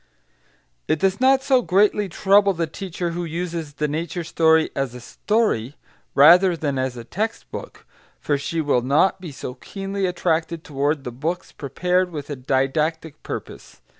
It does not so greatly trouble the teacher who uses the nature story as a story, rather than as a text book, for she will not be so keenly attracted toward the books prepared with a didactic purpose.